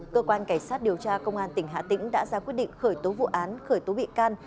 cơ quan cảnh sát điều tra công an tỉnh hà tĩnh đã ra quyết định khởi tố vụ án khởi tố bị can